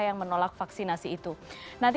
yang menolak vaksinasi itu nanti